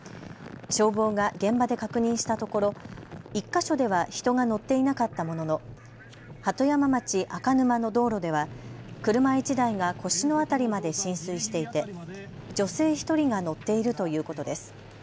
消防が現場で確認したところ１か所では人が乗っていなかったものの、鳩山町赤沼の道路では車１台が腰の辺りまで浸水していて女性１人が乗っているということです。